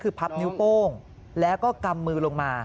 คือพับนิ้วโป้งแล้วก็กำมือลงมา